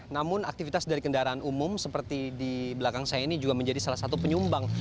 namun aktivitas dari kendaraan umum seperti di belakang saya ini juga menjadi salah satu penyumbang